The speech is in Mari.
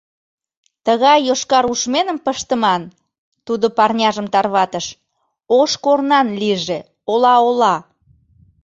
Тыгай йошкарушменым пыштыман, — тудо парняжым тарватыш, — ош корнан лийже, ола-ола...